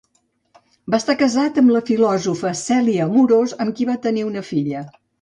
Va estar casat amb la filòsofa Cèlia Amorós, amb qui va tenir una filla.